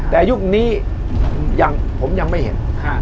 แต่ยุคนี้ผมยังไม่เห็น